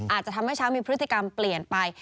อาจจะทำให้ช้างมีพฤติกรรมเปลี่ยนไป